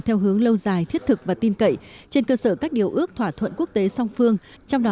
theo hướng lâu dài thiết thực và tin cậy trên cơ sở các điều ước thỏa thuận quốc tế song phương